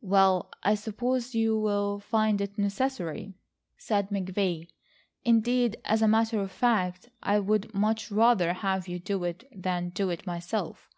"Well, I suppose you will find it necessary," said McVay. "Indeed, as a matter of fact, I would much rather have you do it than do it myself.